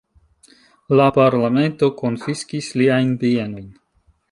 La Parlamento konfiskis liajn bienojn.